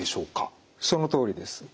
そのとおりです。